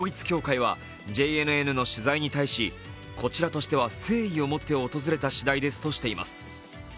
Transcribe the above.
一方、旧統一教会はＪＮＮの取材に対し、こちらとしては誠意を持って訪れた次第ですとしています。